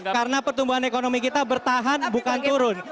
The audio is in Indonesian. karena pertumbuhan ekonomi kita bertahan bukan turun